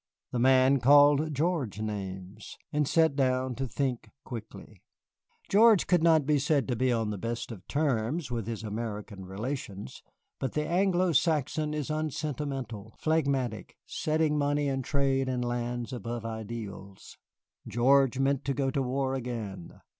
The Man called George names, and sat down to think quickly. George could not be said to be on the best of terms with his American relations, but the Anglo Saxon is unsentimental, phlegmatic, setting money and trade and lands above ideals. George meant to go to war again.